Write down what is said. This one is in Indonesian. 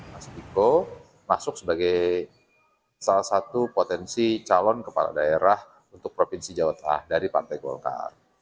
mas diko masuk sebagai salah satu potensi calon kepala daerah untuk provinsi jawa tengah dari partai golkar